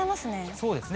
そうですね。